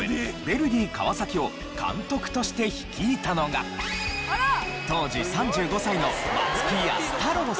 ヴェルディ川崎を監督として率いたのが当時３５歳の松木安太郎さん。